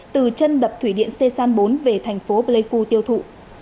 từ chân đập thủy điện sê san bốn về thành phố pleiku tiêu thụ